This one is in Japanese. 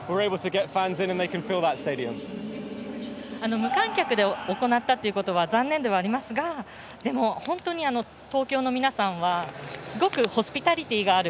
無観客で行ったということは残念ではありますが本当に東京の皆さんはすごくホスピタリティーがある。